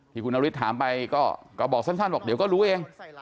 คุณนฤทธิถามไปก็บอกสั้นบอกเดี๋ยวก็รู้เอง